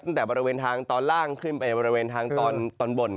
ตั้งแต่บริเวณทางตอนล่างขึ้นไปบริเวณทางตอนบน